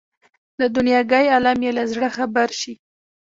د دنیاګۍ عالم یې له زړه خبر شي.